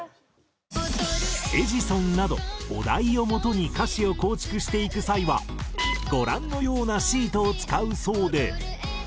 「エジソン」などお題をもとに歌詞を構築していく際はご覧のようなシートを使うそうで。